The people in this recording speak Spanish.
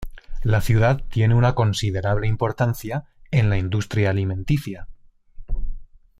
La ciudad tiene una considerable importancia en la industria alimenticia.